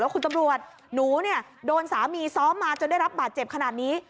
คุณตำรวจหนูเนี่ยโดนสามีซ้อมมาจนได้รับบาดเจ็บขนาดนี้